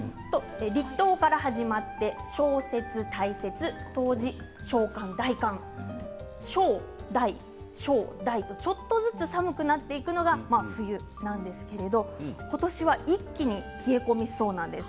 立冬から始まって小雪、大雪、冬至小寒、大寒小と大が、ちょっとずつ寒くなっていくのが冬なんですけれど今年は一気に冷え込みそうなんです。